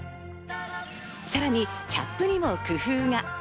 さらにキャップにも工夫が。